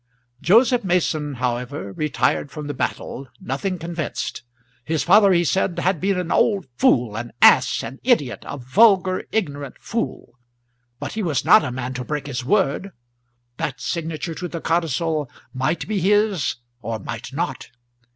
Joseph Mason, however, retired from the battle nothing convinced. His father, he said, had been an old fool, an ass, an idiot, a vulgar, ignorant fool; but he was not a man to break his word. That signature to the codicil might be his or might not.